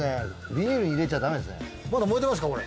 ビニールに入れちゃダメですね。